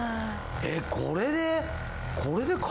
えっこれで。